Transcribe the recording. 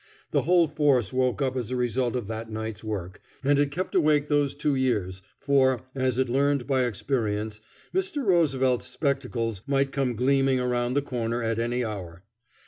The whole force woke up as a result of that night's work, and it kept awake those two years, for, as it learned by experience, Mr. Roosevelt's spectacles might come gleaming around the corner at any hour.